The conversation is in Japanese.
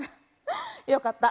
よかった。